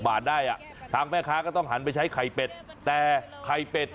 บาทได้อ่ะทางแม่ค้าก็ต้องหันไปใช้ไข่เป็ดแต่ไข่เป็ด